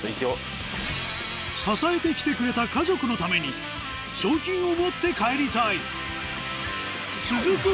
支えて来てくれた家族のために賞金を持って帰りたい